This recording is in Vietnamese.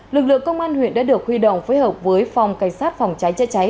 lực lượng công an huyện đã được huy động phối hợp với phòng cảnh sát phòng cháy chữa cháy